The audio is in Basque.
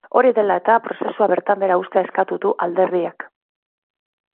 Hori dela eta, prozesua bertan behera uztea eskatu du alderdiak.